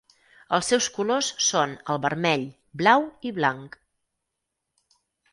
Els seus colors són el vermell, blau i blanc.